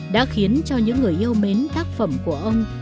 đã khiến cho những người yêu mến tác phẩm của ông